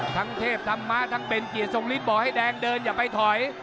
ทั้งเทพทั้งม้าทั้งเบนเกียร์ทรงนิดบอกให้แดงเดินอย่าไปถอย